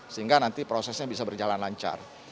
sehingga nanti prosesnya bisa berjalan lancar